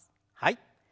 はい。